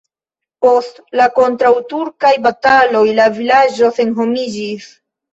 Post la kontraŭturkaj bataloj la vilaĝo senhomiĝis.